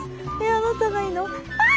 あなたがいいの。キャ！